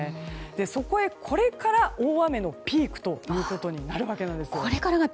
そこへ、これから大雨のピークということになるわけなんです。